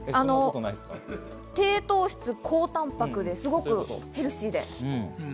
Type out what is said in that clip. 低糖質・高タンパクですごくヘルシーです。